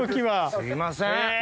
すいません！